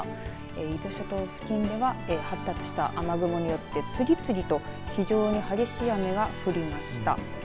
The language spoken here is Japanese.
伊豆諸島付近では発達した雨雲によって次々と非常に激しい雨が降りました。